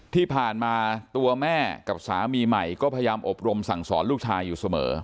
ที่ผ่านมาตัวแม่กับสามีใหม่ก็พยายามอบรมสั่งสอนลูกชายอยู่เสมอ